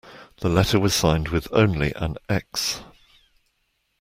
The letter was signed with only an X.